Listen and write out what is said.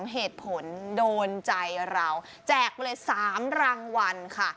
เหตุผลโดนใจเราแจกไปเลย๓รางวัลค่ะ